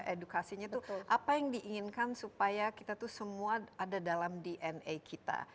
edukasinya itu apa yang diinginkan supaya kita tuh semua ada dalam dna kita